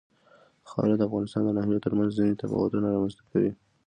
خاوره د افغانستان د ناحیو ترمنځ ځینې تفاوتونه رامنځ ته کوي.